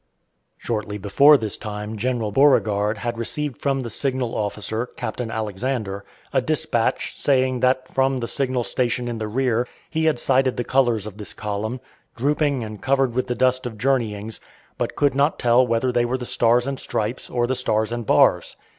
Shortly before this time General Beauregard had received from the signal officer, Captain Alexander, a dispatch, saying that from the signal station in the rear he had sighted the colors of this column, drooping and covered with the dust of journeyings, but could not tell whether they were the Stars and Stripes or the Stars and Bars.